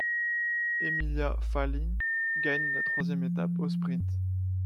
Emilia Fahlin gagne la troisième étape au sprint.